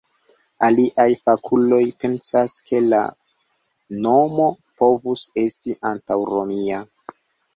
Aliaj fakuloj pensas, ke la nomo povus esti antaŭromia.